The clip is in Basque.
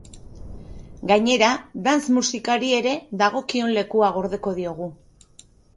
Gainera, dance musikari ere dagokion lekua gordeko diogu.